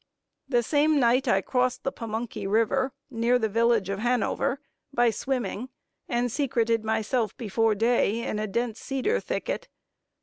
The same night I crossed the Pammunky river, near the village of Hanover by swimming, and secreted myself before day in a dense cedar thicket.